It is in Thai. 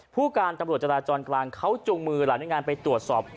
ผู้การกำบุตรจราจรกลางเขาจงมือลามแน่งานไปตรวจสอบ